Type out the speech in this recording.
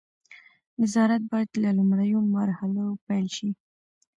نظارت باید له لومړیو مرحلو پیل شي.